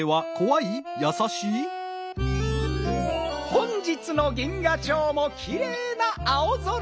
本日の銀河町もきれいな青空。